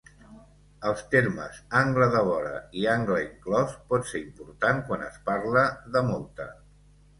Els termes "angle de vora" i "angle inclòs" pot ser important quan es parla de mòlta.